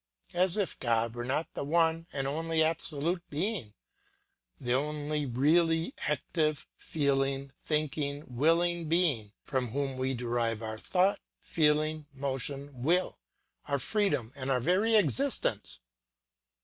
As if God were not the one and only absolute being, the only really active, feeling, thinking, willing being, from whom we derive our thought, feeling, motion, will, our freedom and our very existence!